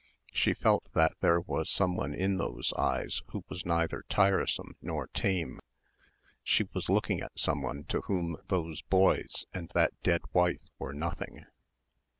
She felt that there was someone in those eyes who was neither tiresome nor tame. She was looking at someone to whom those boys and that dead wife were nothing.